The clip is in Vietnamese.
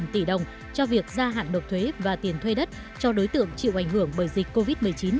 một trăm linh tỷ đồng cho việc gia hạn độc thuế và tiền thuê đất cho đối tượng chịu ảnh hưởng bởi dịch covid một mươi chín